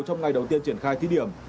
trong ngày đầu tiên triển khai thí điểm